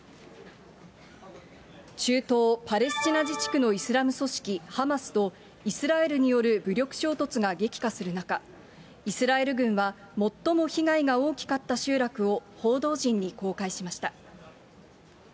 中東パレスチナ自治区のイスラム組織、ハマスと、イスラエルによる武力衝突が激化する中、イスラエル軍は、最も被害が大きかった集落を報道陣に公開しました。